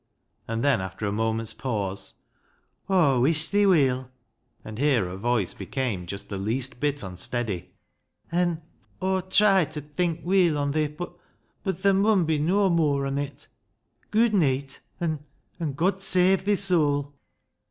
And then, after a moment's pause — "Aw wuish thi weel "— and here her voice became just the least bit unsteady —" an' Aw've tried ta think weel on thi, bud ther mun be noa mooar on it. Gooid neet, an' — an' God save thi soul."